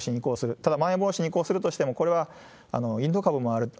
ただまん延防止に移行するとしても、これはインド株もある。